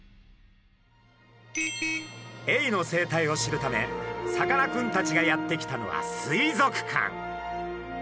エイの生態を知るためさかなクンたちがやって来たのは水族館。